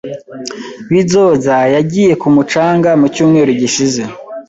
Bizoza yagiye ku mucanga mu cyumweru gishize.